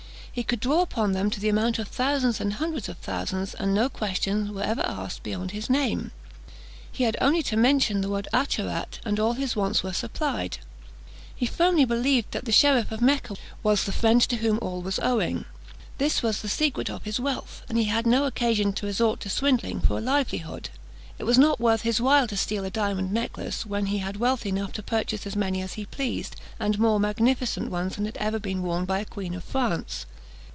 He could draw upon them to the amount of thousands and hundreds of thousands; and no questions were ever asked beyond his name. He had only to mention the word 'Acharat,' and all his wants were supplied. He firmly believed that the Cherif of Mecca was the friend to whom all was owing. This was the secret of his wealth, and he had no occasion to resort to swindling for a livelihood. It was not worth his while to steal a diamond necklace when he had wealth enough to purchase as many as he pleased, and more magnificent ones than had ever been worn by a queen of France.